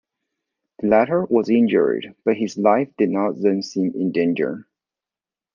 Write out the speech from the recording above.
The latter was injured, but his life did not then seem in danger.